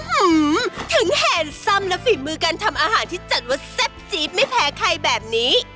ถึงแฮนดซ่ำและฝีมือการทำอาหารที่จัดว่าแซ่บจี๊บไม่แพ้ใครแบบนี้